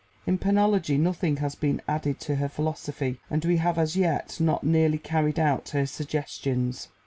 In penology nothing has been added to her philosophy, and we have as yet not nearly carried out her suggestions.